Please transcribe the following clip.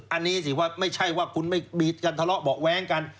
อันนี้สิว่าไม่ใช่ว่าคุณไม่มีการทะเลาะเบาะแว้งกัน